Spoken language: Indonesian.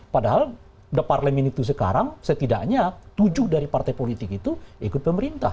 padahal deparlemen itu sekarang setidaknya tujuh dari partai politik itu ikut pemerintah